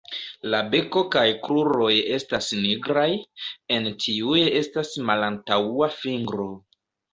La beko kaj kruroj estas nigraj; en tiuj estas malantaŭa fingro.